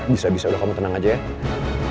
bisa bisa udah kamu tenang aja ya